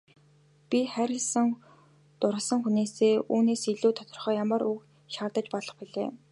Би хайрлан дурласан хүнээсээ үүнээс илүү тодорхой ямар үг шаардаж болох билээ.